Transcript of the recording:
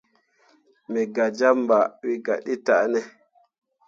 Me gah jam ɓah wǝ gah ɗe tah ne.